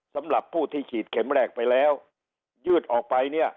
สำหรับผู้ที่ฉีดเข็มแรกไปแล้วยืดออกไปเนี่ย